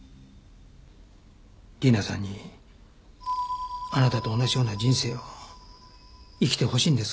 理奈さんにあなたと同じような人生を生きてほしいんですか？